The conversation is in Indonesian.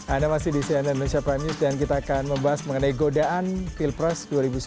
anda masih di cnn indonesia prime news dan kita akan membahas mengenai godaan pilpres dua ribu sembilan belas